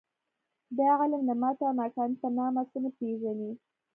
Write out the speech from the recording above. دا علم د ماتې او ناکامۍ په نامه څه نه پېژني